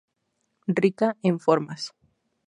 Rica en formas.